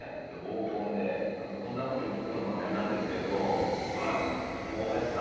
こんなこと聞くのもあれなんですけど大橋さん。